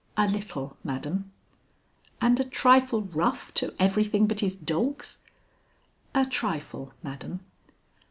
"A little, madam." "And a trifle rough to everything but his dogs?" "A trifle, madam."